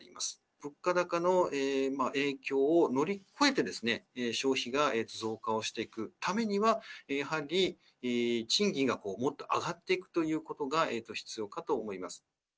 物価高の影響を乗り越えて、消費が増加をしていくためには、やはり賃金がもっと上がっていくということが必要かと思います。